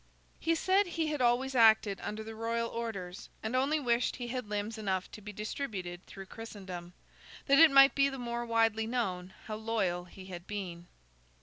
He said he had always acted under the Royal orders, and only wished he had limbs enough to be distributed through Christendom, that it might be the more widely known how loyal he had been.